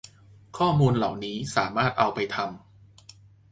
ข้อมูลเหล่านี้สามารถเอาไปทำ